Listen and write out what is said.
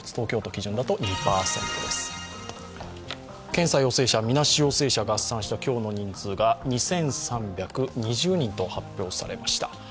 検査陽性者・みなし陽性者を合算した今日の人数が２３２０人と発表されました。